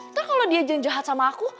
ntar kalau dia jangan jahat sama aku